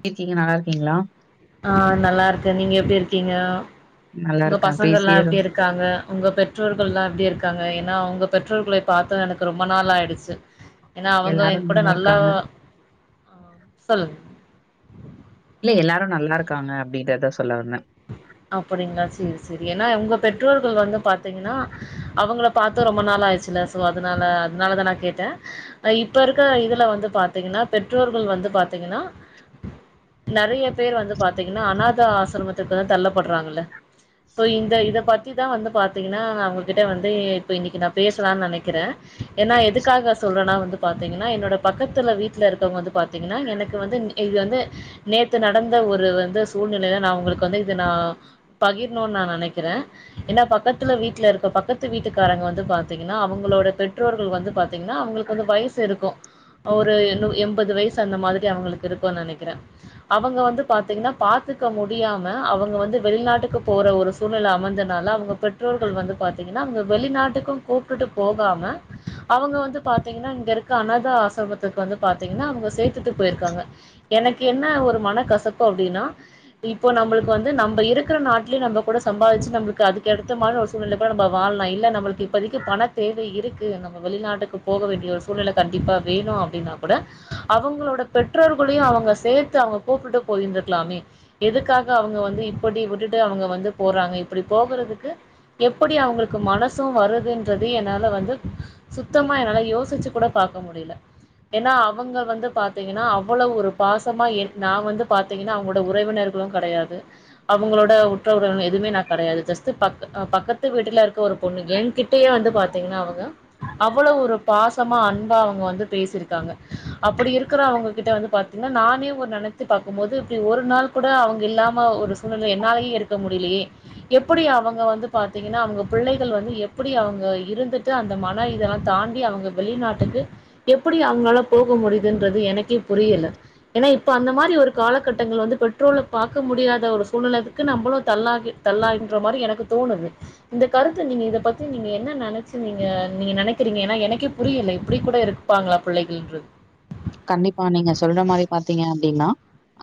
எப்டி இருக்கீங்க நல்லா இருக்கீங்ளா ஆ நல்லா இருக்க நீங்க எப்டி இருக்கீங்க நல்லா உங்க இருக்கேன். பசங்க எல்லா பேசியே ரொ எப்டி இருக் க்காங்க உங்க பெற்றோர்கள்லா எப்டி இருக்காங்க ஏனா அவுங்க பெற்றோர்களை பார்த்த எனக்கு ரொம்ப நாள் ஆயிடுச்சு ஏனா அவுங்க எல்லாரும் என் கூட நல்லா இருக்காங்க. ஆ சொல்லுங் இல்ல எல்லாரு நல்லா இருக்காங்க அப்டின்றத சொல்ல வந்த அப்டிங்ளா சேரி சேரி ஏனா உங்க பெற்றோர்கள் வந்து பாத்தீங்கன்னா அவங்கள பாத்து ரொம்ப நாள் ஆய்டுச்சுல்ல சோ அதனால அதனாலதா நா கேட்டே அ இப்ப இருக்கிற இதுல வந்து பாத்தீங்கன்னா பெற்றோர்கள் வந்து பாத்தீங்கன்னா நெறையா பேர் வந்து பாத்தீங்கன்னா அனாத ஆசிரமத்துக்கு வந்து தள்ளப்படுறாங்கல்ல சோ இந்த இத பத்திதா வந்து பாத்தீங்கன்னா அவங்ககிட்ட வந்து இப்ப இன்னைக்கி நா பேசலான்னு நெனைக்கிறே ஏனா எதுக்காக சொல்றேனா வந்து பாத்தீங்கன்னா என்னோட பக்கத்துல வீட்ல இருக்கவங்க வந்து பாத்தீங்கன்னா எனக்கு வந்து இது வந்து நேத்து நடந்த ஒரு வந்து சூழ்நிலைலா நா உங்களுக்கு வந்து இத நா பகிர்ணுன்னு நா நெனைக்கிறே ஏனா பக்கத்துல வீட்ல இருக்க பக்கத்து வீட்டுக்காரங்க வந்து பாத்தீங்கன்னா அவங்களோட பெற்றோர்கள் வந்து பாத் தீங்கன்னா அவங்களுக்கு வந்து வயசு இருக்கு ஒரு நூ எண்பது வயசு அந்த மாதிரி அவங்களுக்கு இருக்கும்னு நெனைக்கிறே அவங்க வந்து பாத்தீங்கன்னா பாத்துக்க முடியாம் ம அவங்க வந்து வெளிநாட்டுக்கு போற ஒரு சூழ்நில அமஜ்ஜனால அவுங்க பெற்றோர்கள் வந்து பாத்தீங்கன்னா அவுங்க வெளிநாட்டுக்கு கூப்ட்டுட்டு போகாம அவங்க வந்து பாத்தீங்கன்னா இங்க இருக்க அனாதா ஆசரமத்துக்கு வந்து பாத்தீங்கன்னா அவுங்க சேத்துட்டு போயிருக்காங்க எனக்கு என்ன ஒரு மன கசப்பு அப்டின்னா இப்போ நம்மளுக்கு வந்து நம்ம இருக்கிற நாட்லே நம்ம கூட சம்பாதிச்சு நம்ளுக்கு அதுக்கடுத்த மாரி ஒருசூழ்நில கூட நம்ம வாழ்லா இல்ல நம்மளுக் கு இப்பதைக்கி பண தேவை இருக்கு நம்ம வெளிநாட்டுக்கு போக வேண்டிய ஒரு சூழ்நிலை கண்டிப்பா வேணு அப்டின்னா கூட அவங்களோட பெற்றோர்களையு அவங்க சேத்து அவங்க கூப்ட்டுட்டு போயிருந்திருக்கலாமே எதுக்காக அவுங்க வந்து இப்டி விட்டுட்டு அவுங்க வந்து போறாங்க இப்டி போகறதுக்கு எப்டி அவங்களுக்கு மனசு வருதுன்றது என்னால வந்து சுத்தமா என்னால யோசிச்சு கூட பாக்க முடியல ஏனா அவங்க வந்து பாத்தீங்கன்னா அவ்ளோ ஒரு பாசமா என் நா வந்து பாத்தீங்கன்னா அவங்கோட உறவினர் களு கெடையாது அவங்களோட உற்ற உறவினர் எதுமே நா கெடையாது ஜஸ்ட் பக்க பக்கத்து வீட்ல இருக்க ஒரு பொண்ணு ஏ கிட்டயே வந்து பாத்தீங்கன்னா அவங்க அவ்ளோ ஒரு பாசமா அன்பா அவங்க வந்து பேசிருக்காங்க அப்டி இருக்கிற அவங்ககிட்ட வந்து பாத் தீங்னா நானே ஒரு நெனைத்து பாக்கும்போது இப்டி ஒரு நாள் கூட அவங்க இல்லாம ஒரு சூழ்நிலை என்னாலயே இருக்க முடியலையே எப்டி அவங்க வந்து பாத்தீங்கன்னா அவங்க பிள்ளைகள் வந்து எப்டி அவங்க இருந்துட்டு அந்த மன இதல்லா தாண்டி அவுங்க வெளிநாட்டுக்கு எப்புடி அவுங்களால போக முடியுதுன்றது எனக்கே புரியல ஏனா இப்ப அந்த மாரி ஒரு காலகட்டங்கள் வந்து பெ ற்றோல பாக்க முடியாத ஒரு சூழ்நிலத்துக்கு நம்பளு தள்ளாகி தள்ளாகின்ற மாரி எனக்கு தோனுது இந்த கருத்து நீங்க இத பத்தி நீங்க என்ன நெனச்சு நீங்க நீங்க நெனைக்கிறீங்க ஏனா எனக்கே புரியில இப்டி கூட இருப் பாங்ளா புள்ளைகள்ன்று கண்டிப்பா நீங்க சொல்ற மாரி பாத்தீங்க அப்டின்னா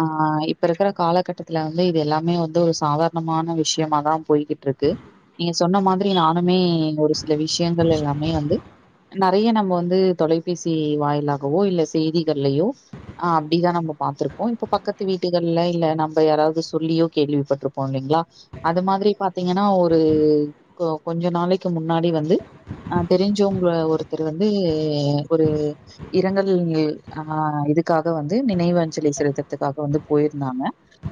ஆ இப்ப இருக்குற காலகட்டத்துல வந்து இது எல்லாமே வந்து ஒரு சாதாரணமான விஷ்யமாதா போய்கிட்ருக்கு நீங்க சொன்ன மாதிரி நானுமே ஒரு சில விஷ்யங்கள் எல்லாமே வந்து நெறைய நம்ம வந்து தொலைபேசி வாயிலாகவோ இல்ல செய்திகள்லயோ ஆ அப்டிதா நம்ப பாத்துருப்போ இப்ப பக்கத்து வீட்டுகள்ல இல்ல நம்ப யாராவ்து சொல்லியோ கேள்விப்பட்ருப்போ இல்லிங்ளா அது மாதிரி பாத்தீங்கனா ஒரு கொ கொஞ்ச நாளைக்கி முன்னாடி வந்து அ தெரிஞ்சோங்க ஒருத்தர் வந்து ஒரு இரங்கல் ஆ இதுக்காக வந்து நினைவு அஞ்சலி செலுத்தற்துக்காக வந்து போயிருந்தாங்க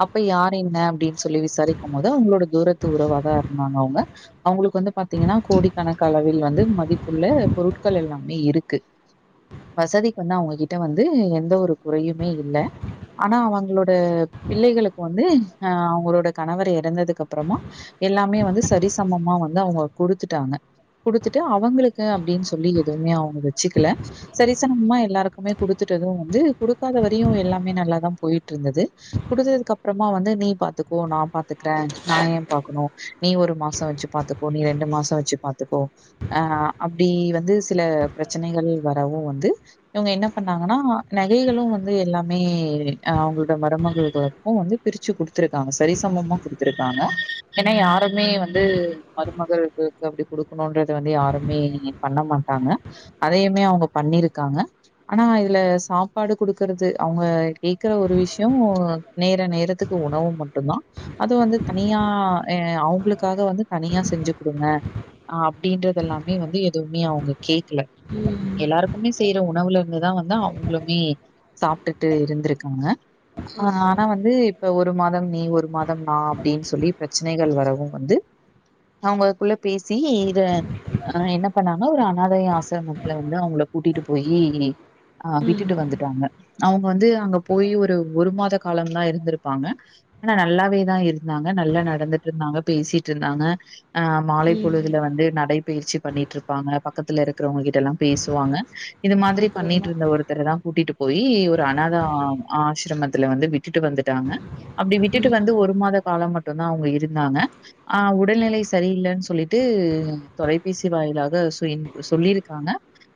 அப்ப யாரு என்ன அப்டின் சொல்லி விசாரிக்கும் போது அவுங்களோட தூரத்து உறவாதா இருந்தாங்க அவுங்க அவுங்களுக்கு வந்து பாத்தீங்கனா கோடிக்கணக்கு அளவில் வந்து மதிப்புள்ள பொருட்கள் எல்லாமே இருக்கு வசதிக்கு வந்து அவுங்ககிட்ட வந்து எந்த ஒரு குறையுமே இல்ல ஆனா அவங்களோட பிள்ளைகளுக்கு வந்து அ அவுங்களோட கணவர் இறந்ததுக்கப்றமா எல்லாமே வந்து சரிசமமா வந்து அவுங்க குடுத்துட்டாங்க குடுத்துட்டு அவுங்களுக்கு அப்டின் சொல்லி எதுவ்மே அவுங்க வச்சுக்கல சரிசனமா எல்லாருக்கு மே குடுத்துட்டது வந்து குடுக்காத வரையு எல்லாமே நல்லாதா போயிட்ருந்தது குடுத்ததுக்கப்றமா வந்து நீ பாத்துக்கோ நா பாத்துக்றே நா ஏ பாக்கனு நீ ஒரு மாச வச்சு பாத்துக்கோ நீ ரெண்டு மாச வச்சு பாத்துக்கோ ஆ அப்டி வந்து சில பிரச்சனைகள் வரவு வந்து இவுங்க என்ன பண்ணாங்கனா நகைகளு வந்து எல்லாமே அவுங்ளோட மருமகள்களு க்கு வந்து பிரிச்சு குடுத்துருக்காங்க சரிசமமா குடுத்துருக்காங்க எனா யாருமே வந்து மருமகள் க்கு அப்டி குடுக்கனுன்றது வந்து யாருமே பண்ண மாட்டாங்க அதையுமே அவுங்க பண்ணிருக்காங்க ஆனா இதுல சாப்பாடு குடுக்கறது அவுங்க கேக்குற ஒரு விஷ்யோ நேர நேரத்துக்கு உணவு மட்டுந்தா அது வந்து தனியா எ அவுங்ளுக்காக வந்து தனியா செஞ்சு குடுங்க அ அப்டின்றதெல்லாமே வந்து எதுவுமே அவுங்க கேக்கல ம் எல்லாருக்குமே செய்ற உ ணவுல இருந்துதா வந்து அவுங்களுமே சாப்டுட்டு இருந்துருக்காங்க ஆ ஆமா ஆனா வந்து இ ப்ப ஒரு மாதம் நீ ஒரு மாதம் நா அப்டின் சொல்லி பிரச்சனைகள் வரவு வந்து அவுங்களுக்குள்ள பேசி இத ஆ என்ன பண்ணாங்க ஒரு அனாதை ஆசிரமத்துல வந்து அவுங்கள கூட்டிட்டு போயி அ ம் விட்டுட்டு வந்துட்டாங்க அவுங்க வந்து அங்க போயி ஒரு ஒரு மாத காலம் தா இருந்துருப்பாங்க ஆனா நல்லாவேதா இருந்தாங்க நல்லா நடந்துட்ருந்தாங்க பேசிட்ருந்தாங்க ஆ மாலை ம் பொழுதுல வந்து நடை பயிற்சி பண்ணிட்ருப்பாங்க பக்கத்துல இருக்றவுங்க கிட்டல்லா பேசுவாங்க இது மாதிரி அப்படிங்களா பண்ணிட்ருந்த ஒருத்தர தா கூட்டிட்டு போயி ஒரு அனாதா ஆஷிரமத்துல வந்து விட்டுட்டு வந்துட்டாங்க அப்டி விட்டுட்டு ம் வந்து ஒரு மாத காலம் மட்டுந்தா அவுங்க இருந்தாங்க ஆ உடல்நிலை சரியில்லேன்னு சொல்லிட்டு தொலைபேசி வாயிலாக சொல்லின் சொல்லியிருக்காங்க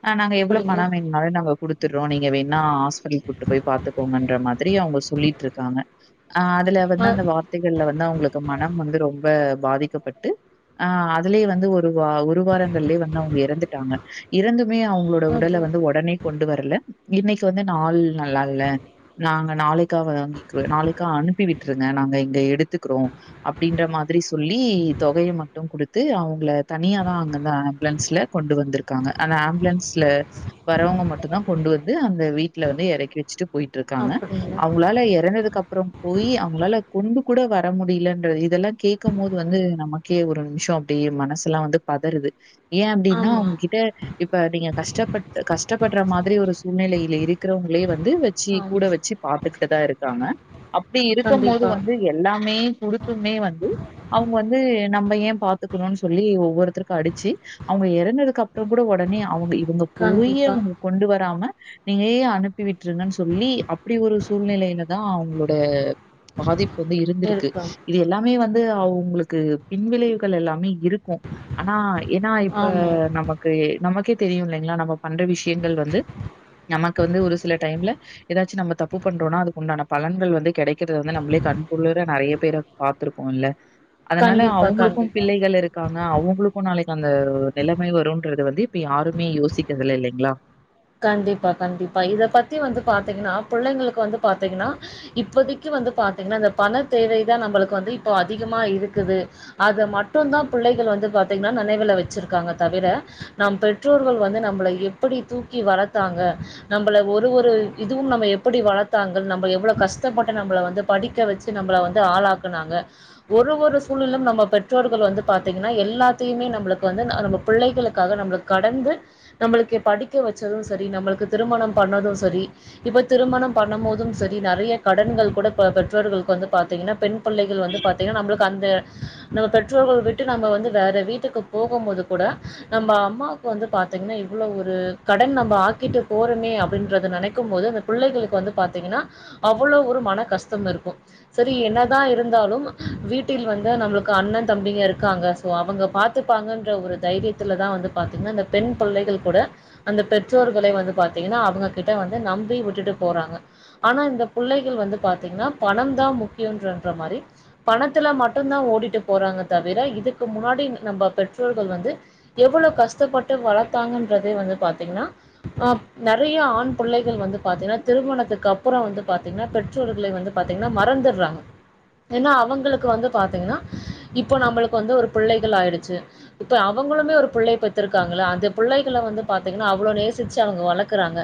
ஆ நாங்க எவ்ளோ அப்படிங்களா நீங் னால நாங்க குடுத்துட்றோ நீங்க வேணா ஹாஸ்பட்லு கூட்டு போய் பாத்துக்கோங்கன்ற மாதிரி அவுங்க சொல்லிட்டுருக்காங்க அ அதுல வந்து அ அந்த வார்த்தைகள்ல வந்து அவங்களுக்கு மனம் வந்து ரொம்ப பாதிக்கப்பட்டு ஆ அதுலேயே வந்து ஒரு வா ஒரு வாரங்கள்லயே வந்து அவுங்க எறந்துட்டாங்க எறந்துமே அவுங்களோ உடலை அது வந்து ஒடனே கொண்டு வர்ல இன்னைக்கி வந்து நாள் நல்லால்ல நாங்க நாளைக்கா வாங்கிக் நாளைக்கா அனுப்பி விட்டுருங்க நாங்க இங்க எடுத்துக்குறோ அப்பிடின்ற மாதிரி சொல்லி தொகையை மட்டு குடுத்து அவங்கள தனியாதா அங்குருந்து ஆம்புலன்ஸ்ல கொண்டு வந்துருக்காங்க ஆனா ஆம்புலன்ஸ்ல வரவங்க மட்டு தா கொண்டு வந்து அந்த வீட்ல வந்து எறக்கி வச்சுட்டு போயிட்டுருக்காங்க அப்படிங்களா அவுங் அவுங்களால எறந்ததுக்கு அப்புறோ போய் அவுங்களால கொண்டு கூட வர முடியலன்றது இதெல்லா கேக்க போது வந்து நமக் கே ஒரு நிமிஷோ அப்படியே மனசுல்லா வந்து பதருது ஏ அப்டின்னா ஆமா அவுங்ககிட்ட இப்ப நீங்க கஷ்டப்பட் அ கஷ்டப்படுற மாதிரி ஒரு சூழ்நலையில இருக்கிறவங்களே வந்து வச்சு கூட ஆமா வச்சு பாத்துக்கிட்டுதா இருக்காங்க அப்டி இருக்கும் போது கண்டிப்பா வந்து எல்லாமே குடுத்துமே வந்து அவுங்க வந்து நம்ம ஏ பாத்துக்கணுன் சொல்லி ஒவ்வொருத்தருக்கு அடிச்சு அவுங்க எறந்ததுக்கு அப்புறோ கூட ஒடனே அவுங்க இவுங்க போய் கண்டிப்பா அவுங்க கொண்டு வராம நீங்கே அனுப்பி விட்டுருங்கன்னு சொல்லி அப்படி ஒரு சூழ்நிலையிலதா அவங்களோட பாதிப்பு வந்து இருந்துருக்கு இருக்கும் இது எல்லாமே வந்து அவுங்களுக்கு பின்விளைவுகள் எல்லாமே இருக்கோ ஆனா ஏன்னா இப்ப ஆமா நமக்கு நமக்கே தெரியு இல்லைங்களா நம்ம பண்ற விஷ்யோங்கள் வந்து நமக்கு வந்து ஒரு சில டைம்ல ஏதாச்சு நம்ம தப்பு பண்றோனா அதுக் உண்டான பலன்கள் வந்து கெடைக்கறத வந்து நம்மளே கண்குளுற நறைய பேர பாத்துருக்கோல்ல அதனால கண்டிப்பா அவுங்களுக்கு கண்டிப்பா பிள்ளைகள் இருக் காங்க அவுங்களுக்கு நாளைக்கி அந்த நிலைமை வரும்ன்றது வந்து இப்ப யாருமே யோசிக்கிறதுல இல்லைங்களா கண்டிப்பா கண்டிப்பா இத பத்தி வந்து பாத்தீங்கன்னா புள்ளைங்களுக்கு வந்து பாத்தீங்கன்னா இப்போதிக்கி வந்து பாத்தீங்கன்னா இந்த பண தேவைதா நம்மளுக்கு வந்து இப்போ அதிகமா இருக்குது அத மட்டு தா புள்ளைகள் வந்து பாத்தீங்கன்னா நனைவுல வச்சிருக்காங்க தவிர நாம் போய் பெற்றோர்கள் வந்து நம்பள எப்படி தூக்கி வளர்த்தாங்க நம்மள ஒரு ஒரு இதுவு நம்ம எப்படி வளத்தாங்க நம்ம எவ்ளோவு கஷ்டப்பட்டு நம்மள வந்து படிக்க வச்சு சு நம்மள வந்து ஆளாக்குனாங்க ஒரு ஒரு சூழ்நில்லும் நம்ம பெற்றோர்கள் வந்து பாத்தீங்கன்னா எல்லாத்தையுமே நம்புளுக்கு வந்து நம்ம புள்ளைகளுக்காக நம்புளுக் கடந்து நம்முளுக்கு படிக்க வச்சது சரி நம்முளுக்கு திருமணம் பண்ணது சரி இப்ப திருமணம் பண்ணும்போது செரி நறைய கடன்கள் கூட பெ பெற்றோர்களுக்கு வந்து பாத்தீங்கன்னா பெண் பிள்ளைகள் வந்து பாத்தீங்கன்னா நம்மளுக்கு அந்த நம்ம பெற்றோர்கள் விட்டு நம்ம வந்து வேற வீட்டுக்கு போகும் போது கூட நம்ம அம்மா க்கு வந்து பாத்தீங்கன்னா எவ்ளோ ஒரு கடன் நம்ம ஆக்கிட்டு போறோமே அப்படின்றது நனைக்கும் போது அந்த புள்ளைகளுக்கு வந்து பாத்தீங்கன்னா அவ்ளோ ஒரு மன கஷ்டமிருக்கு செரி என்னதா இருந்தாலு வீட்டில் வந்து நம்மளுக்கு அண்ணன் தம்பிங்க இருக்காங்க சோ அவங்க பாத்துப்பாங்கன்ற ஒரு தைரியத்துல தா வந்து பத்திங்கன்னா இந்த பெண் பிள்ளைகள் கூட அந்த பெற்றோர்களே வந்து பாத்தீங்கன்னா அவங்க கிட்ட வந்து நம்பி விட்டுட்டு போறாங்க ஆனா இந்த புள்ளைகள் வந்து பாத்தீங்கன்னா பணம் தா முக்கியோன்றன்ற மாரி பணத்துல மட்டுதா ஓடிட்டு போறாங்க தவிர இதுக்கு முன்னாடி நம்ம பெற்றோர்கள் வந்து எவ்ளோ கஷ்டப்பட்டு வளத்தாங்கன்றதே வந்து பாத்தீங்கன்னா ஆ நறையா ஆண் புள்ளைகள் வந்து பாத்தீங்கன்னா திருமணத்துக்கு அப்புறோ வந்து பாத்தீங்கன்னா பெற் றோர்களை வந்து பாத்தீங்கன்னா மறந்துறாங்க ஏனா அவங்களுக்கு வந்து பாத்தீங்கன்னா இப்போ நம்மளுக்கு வந்து ஒரு புள்ளைகள் ஆயிடுச்சி இப்ப அவங்களுமே ஒரு புள்ளை பெத்துருக்காங்க இல்ல அந்த புள்ளைகள வந்து பாத் தீங்கன்னா அவ்ளோ நேசிச்சி அவங்க வளக்கறாங்க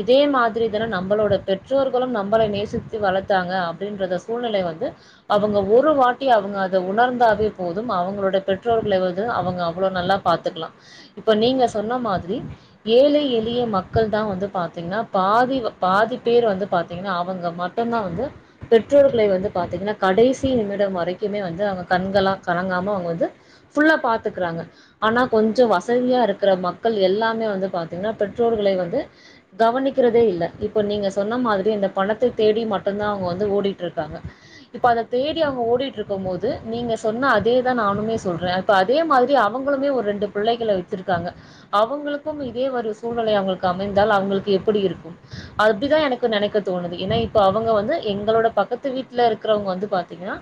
இதே மாதிரி தான நம்பளோட பெற்றோர்களும் நம்பளை நேசித்து வளத்தாங்க அப்டின்றத சூழ்நிலை வந்து அவங்க ஒரு ஒரு வாட்டி அவங்க அத உணர்ந்தாவே போதும் அவங்களோட பெற்றோர்களே வந்து அவங்க அவ்ளோ நல்லா பாத்துக்கிலா இப்ப நீங்க சொன்ன மாதிரி ஏழை எளிய மக்கள்தா வந்து பாத்தீங்கன்னா பாதி பாதி பேரு வந்து பாத்தீங்கன்னா அவங்க மட் டுந்தா வந்து பெற்றோர்களை வந்து பாத்தீங்கன்னா கடைசி நிமிடம் வரைக்குமே வந்து அவங்க கண்களா கலங்காம அவங்க வந்து ஃபுல்லா பாத்துக்கறாங்க ஆனா கொஞ்சோ வசதியா இருக்கற மக்கள் எல்லாமே வந்து பாத்தீங்கன்னா பெற்றோர்களை வந்து கவனிக்கிறதே இல்ல இப்ப நீங்க சொன்ன மாதிரி இந்த பணத்த தேடி மட்டுந்தா அவங்க வந்து ஓடிட்டுருக்காங்க இப்ப அத தேடி அவங்க ஓடிட்டு இருக்கமோது நீங்க சொன்ன அதேதா நானுமே சொல்றன் இப்ப அதே மாதிரி அவங்களுமே ஒரு ரெண்டு பிள்ளைகள வச்சிருக்காங்க அவங்களுக் கும் இதே ஒரு சூழ்நிலை அவங்களுக்கு அமைந்தால் அவங்களுக்கு எப்படி இருக்கும் அப்டிதா எனக்கு நெனைக்க தோணுது ஏன்னா இப்ப அவங்க வந்து எங்களோட பக்கத்து வீட்ல இருக்கறவங்க வந்து பாத்தீங்கன்னா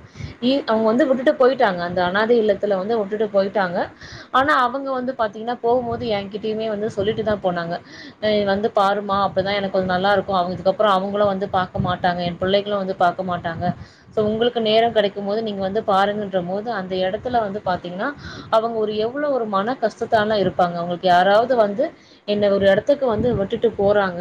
இ அவங்க வந்து விட்டுட்டு போயிட்டாங்க அந்த அனாத இல்லத்துல வந்து உட்டுட்டு போயிட்டாங்க ஆனா அவங்க வந்து பாத்தீங்கன்னா போவும்போது என்கிட்டயுமே வந்து சொல்லிட்டு தா போனாங்க ஆ வந்து பாருமா அப்பதா எனக்கு கொஞ்சம் நல்லா இருக்கும் இதுக்கப்புறம் அவங்களும் வந்து பாக்க மாட்டாங்க என் புள்ளைகளும் வந்து பாக் க மாட்டாங்க சோ உங்களுக்கு நேரம் கெடைக்கமோது நீங்க வந்து பாருங்கன்ற மோது அந்த எடத்துல வந்து பாத்தீங்கின்னா அவங்க ஒரு எவ்ளோ ஒரு மன கஷ்டத்தால இருப்பாங்க அவங்களுக்கு யாராவது வந்து என்ன ஒரு எடத்துக்கு வந்து விட்டுட்டு போறாங்க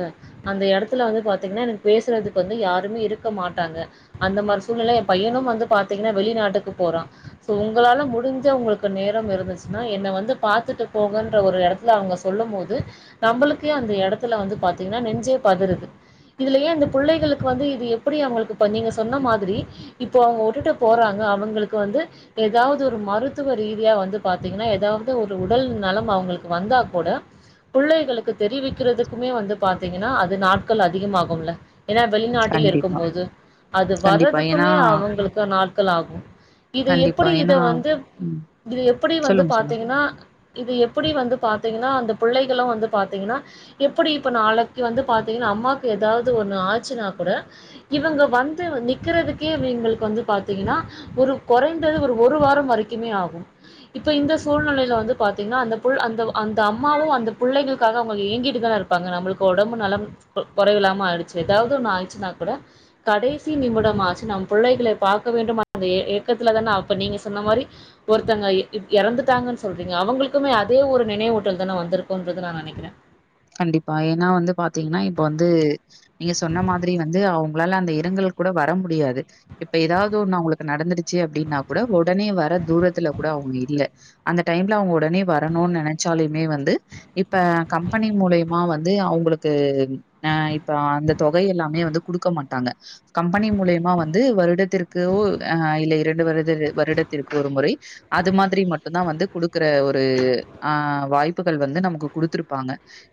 அந்த எடத்துல வந்து பாத்தீங்கன்னா எனக்கு பேசறதுக்கு வந்து யாருமே இருக்க மாட்டாங்க அந்த மாரி சூழ்நில என் பையனும் வந்து பாத்தீங்கன்னா வெளிநாட்டுக்கு போறான் சோ உங்களால முடிஞ்ச உங்களுக்கு நேரம் இருந்துச்சின்னா என்ன வந்து பாத்துட்டு போகன்ற ஒரு எடத் துல அவங்க சொல்லமோது நம்பளுக்கே அந்த எடத்துல வந்து பாத்தீங்கன்னா நெஞ்சே பதருது இதுலயே இந்த புள்ளைகளுக்கு வந்து இது எப்படி அவங்களுக்கு இப்ப நீங்க சொன்ன மாதிரி இப்போ அவங்க உட்டுட்டு போறாங்க அவங்களுக்கு வந்து எதாவது ஒரு மருத்துவ ரீதியா வந்து பாத்தீங்கன்னா எதாவது ஒரு உடல் நலம் அவங்களுக்கு வந்தா கூட புள்ளைகளுக்கு தெரிவிக்கிறதுக்குமே வந்து பாத்தீங்கன்னா அது நாட்கள் அதிகமாகுமில்ல ஏனா வெளிநாட்டில் இருக்கும் கண்டிப்பா, போது அது கண்டிப்பா. ஏன்னா வறதுக்குமே அவங்களுக்கு நாட்கள் ஆகும் இத கண்டிப்பா. எப்டி இத ஏன்னா வந்து ம். இது எப்படி வந்து சொல்லுங்க, சொல்லுங்க. பாத்தீங்கன்னா இது எப்படி வந்து பாத்தீங்கன்னா அந்த புள்ளைகளும் வந்து பாத்தீங்கன்னா எப்படி இப்ப நாளைக்கு வந்து பாத்தீங்கன்னா அம்மாக்கு எதாவது ஒண்ணு ஆச்சின்னா கூட இவங்க வந்து நிக்கறதுக்கே இவிங்களுக்கு வந்து பாத்தீங்கன்னா ஒரு கொறைந்தது ஒரு ஒரு வாரம் வரைக்குமே ஆகும் இப்ப இந்த சூழ்நெலையில வந்து பாத்தீங்கன்னா அந்த புள் அந்த அந்த அம்மாவும் அந்த புள்ளைங்களுக்காக அவங்க ஏங்கிட்டு தான இருப்பாங்க நம்மளுக்கு ஒடம்பு நலம் கொ கொறைவில்லாம ஆயிடுச்சி எதாவது ஒண்ணு ஆயிச்சின்னா கூட கடைசி நிமிடமா ஆச்சி நம் புள்ளைகளை பாக்க வேண்டும் அந்த ஏ ஏக்கத்துல தான அப்ப நீங்க சொன்ன மாரி ஒருத்தங்க எ இப் எறந்துட்டாங்கன் சொல்றீங்க அவங்களுக்குமே அதே ஒரு நினைவுட்டல் தானே வந்திருக்குன்றது நெனைக்கறே கண்டிப்பா ஏன்னா வந்து பாத்தீங்னா இப்ப வந்து நீங்க சொன்ன மாதிரி வந்து அவங்ளால அந்த இரங்கல்க்கு கூட வர முடியாது இப்ப ஏதாவ்து ஒண்ணு அவங்ளுக்கு நடந்துருச்சு அப்டின்னா கூட ஒடனே வர தூரத்துல கூட அவுங்க இல்ல அந்த டைம்ல அவுங்க உடனே வரணுனு நெனச்சாலுமே வந்து இப்ப பணி மூலியமா வந்து அவுங்ளுக்கு ஆஹ் இப்ப அந்த தொகை எல்லாமே வந்து குடுக்க மாட்டாங்க கம்பெனி மூலியமா வந்து வருடத்திற்குகோ அஹ் இல்ல இரண்டு வருட வருடத்திற்கு ஒரு முறை அது மாரி மட்டுந்தா வந்து குடுக்குற ஒரு ஆஹ் வாய்ப்புகள் வந்து நமக்கு குடுத்துரு வாங்க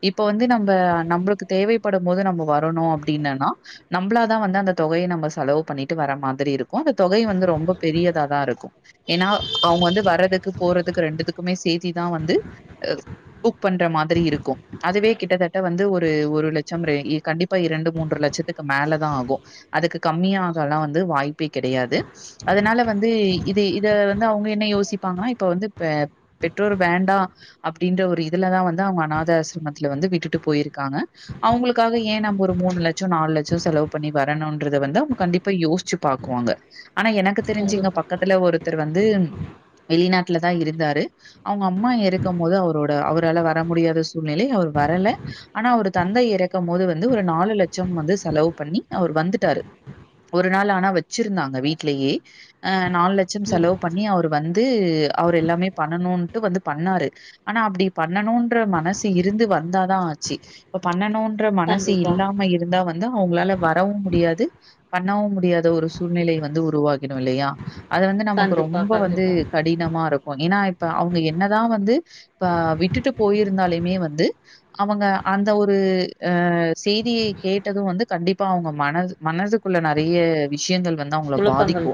இப்ப வந்து நம்ப நம்ளுக்கு தேவைப்படும் போது நம்ம வரணு அப்டினா நம்மளாதா வந்து அந்த தொகைய நம்ப செலவு பண்ணிட்டு வர மாதிரி இருக்கு அந்த தொகையு வந்து ரொம்ப பெரியதாதா இருக்கு ஏனா அவுங்க வந்து வர்றதுக்கு போறதுக்கு ரெண்டுதுக்குமே சேத்திதா வந்து அஹ் புக் பண்ற மாதிரி இருக்கு அதுவே கிட்டத்தட்ட வந்து ஒரு ஒரு லட்சம் [unintelligible] கண்டிப்பா இரண்டு மூன்று லட்சத்துக்கு மேலதா ஆகு அதுக்கு கம்மியாகல்லா வந்து வாய்ப்பே கிடையாது அதுனால வந்து இத இத அவங்க என்ன யோசிப்பாங்னா இப்ப வந்து இப்ப பெற்றோர் வேண்டா அப்டின்ற ஒரு இதுலதா வந்து அவங்க அநாத ஆசிரமத்துல வந்து விட்டுட்டு போய்ருக்காங்க அவுங்ளுக்காக ஏ நம்ப ஒரு மூணு லட்சோ நாலு லட்சோ செலவு பண்ணி வரணும்ன்றத வந்து கண்டிப்பா யோசிச்சு பாக்குவாங்க ஆனா எனக் தெரிஞ்சு இங்க கண்டிப்பா பக்கத்துல ஒருத்தர் வந்து வெளிநாட்ல தா இருந்தாரு அவுங்க அம்மா இறக்கும்போது அவுரோட அவரால வர வர முடியாத சூழ்நிலை அவர் வரல ஆனா அவர் தந்தை இறக்கும் போது வந்து ஒரு நாலு லட்ச வந்து செலவு பண்ணி அவர் வந்துட்டாரு ஒரு நாள் ஆனா வெச்சிருந்தாங்க வீட்லேயே அ நாலு லட்ச செலவு பண்ணி அவரு வந்து அவர் எல்லாமே பண்ணணுட்டு வந்து பண்ணாரு ஆனா அப்டி பண்ணணு ற மனசு இருந்து வந்தாதா ஆச்சு இப்ப பண்ணணுன்ற மனசு கண்டிப்பா இல்லாம இரு இருந்தா வந்து அவுங்ளால வரவு முடியாது பண்ணவு முடியாத ஒரு சூழ்நிலை வந்து உருவாகிடு இல்லையா அது வந்து நமக்கு கண்டிப்பா ரொம்ப வந்து கண்டிப்பா கடி கடினமா இருக்கு ஏனா இப்ப அவுங்க என்னதா வந்து இப்ப விட்டுட்டு போயிருந்தாலுமே வந்து அவங்க அந்த ஒரு அ செய்திய கேட்டது வந்து கண்டிப்பா அவுங்க மனது மனசுகுள்ள நெரைய விஷ்யங்கள் வந்து அவங்கள குழப்பங்கள் பாதிக்கு